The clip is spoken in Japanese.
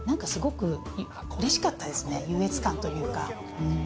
うれしかったですね、優越感というか。